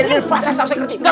ayolah diam diam